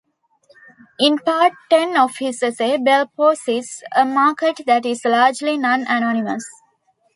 In part ten of his essay, Bell posits a market that is largely non-anonymous.